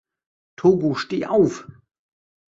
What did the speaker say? Togo steh auf!